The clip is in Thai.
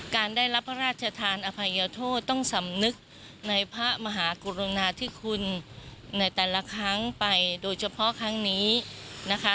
การได้รับพระราชทานอภัยโทษต้องสำนึกในพระมหากรุณาธิคุณในแต่ละครั้งไปโดยเฉพาะครั้งนี้นะคะ